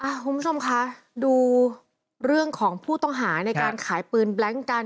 คุณผู้ชมคะดูเรื่องของผู้ต้องหาในการขายปืนแบล็งกัน